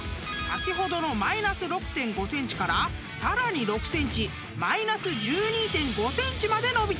［先ほどのマイナス６．５ｃｍからさらに６ｃｍマイナス１２．５ｃｍまで伸びた］